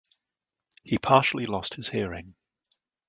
He partially lost his hearing.